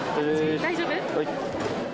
大丈夫？